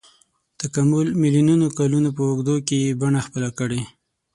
تکامل میلیونونو کلونو په اوږدو کې یې بڼه خپله کړې.